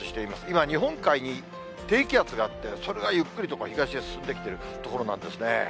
今、日本海に低気圧があって、それがゆっくりと東へ進んできているところなんですね。